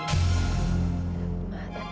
tidak tati ma